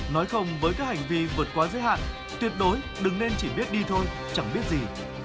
nói không với các hành vi vượt quá giới hạn tuyệt đối đừng nên chỉ biết đi thôi chẳng biết gì